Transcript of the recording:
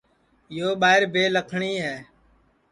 یو ٻائیر بے لکھٹؔی ہے